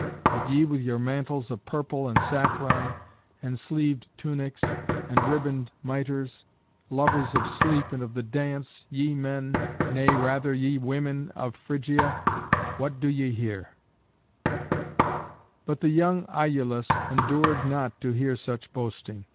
But ye with your mantles of purple and saffron, and sleeved tunics, and ribboned mitres, lovers of sleep and of the dance, ye men, nay rather ye women, of Phrygia, what do ye here?" But the young Iülus endured not to hear such boasting.